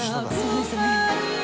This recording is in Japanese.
「そうですね」